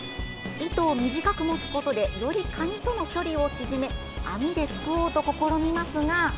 糸を短く持つことでよりカニとの距離を縮め網ですくおうと試みますが。